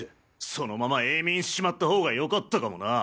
そのまま永眠しちまったほうが良かったかもな！